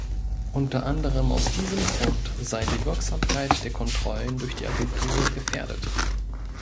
Unter anderem aus diesem Grund sei die Wirksamkeit der Kontrollen durch die Agenturen gefährdet.